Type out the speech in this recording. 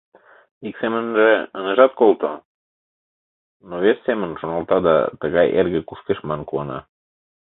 Ик семынже, ынежат колто, но вес семын шоналта да тыгай эрге кушкеш манын куана.